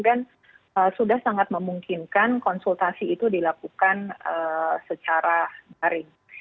dan sudah sangat memungkinkan konsultasi itu dilakukan secara daring